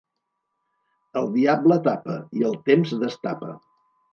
El diable tapa i el temps destapa.